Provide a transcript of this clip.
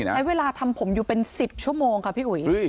ใช้เวลาทำผมอยู่เป็น๑๐ชั่วโมงค่ะพี่อุ๋ย